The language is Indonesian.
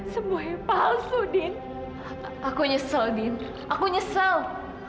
sebuah yang palsu din aku nyesel aku nyesel